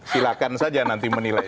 silahkan saja nanti menilai